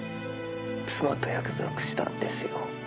妻と約束したんですよ。